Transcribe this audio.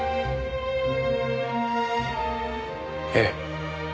ええ。